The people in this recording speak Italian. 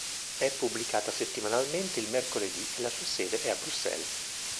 È pubblicata settimanalmente il mercoledì e la sua sede è a Bruxelles.